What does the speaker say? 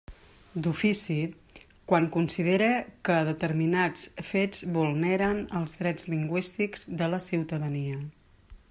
D'ofici, quan considere que determinats fets vulneren els drets lingüístics de la ciutadania.